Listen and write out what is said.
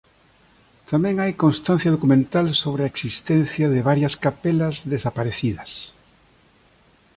Tamén hai constancia documental sobre a existencia de varias capelas desaparecidas.